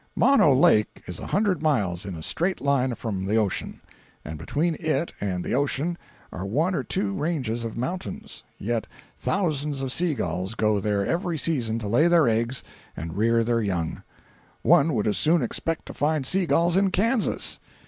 Mono Lake is a hundred miles in a straight line from the ocean—and between it and the ocean are one or two ranges of mountains—yet thousands of sea gulls go there every season to lay their eggs and rear their young. One would as soon expect to find sea gulls in Kansas.